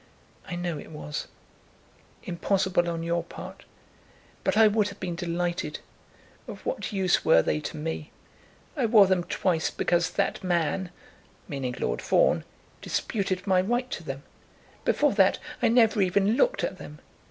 "I know it was; impossible on your part; but I would have been delighted. Of what use were they to me? I wore them twice because that man," meaning Lord Fawn, "disputed my right to them. Before that I never even looked at them.